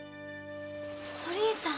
お凛さん！